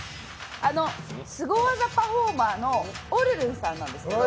すご技パフォーマーのおるるんさんなんですけど